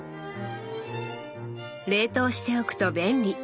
冷凍しておくと便利！